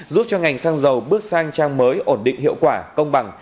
giúp cho ngành xăng dầu bước sang trang mới ổn định hiệu quả công bằng